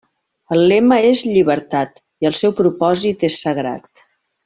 El lema és llibertat i el seu propòsit és sagrat.